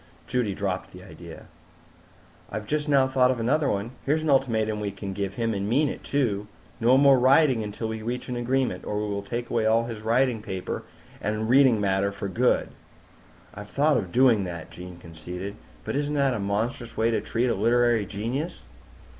Judy dropped the idea. "I've just now thought of another one. Here's an ultimatum we could give him and mean it, too. No more writing until we reach an agreement, or we will take away all his writing paper and reading matter for good!" "I'd thought of doing that," Jean conceded. "But isn't that a monstrous way to treat a literary genius?"